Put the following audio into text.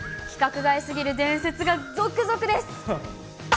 規格外すぎる伝説が続々です。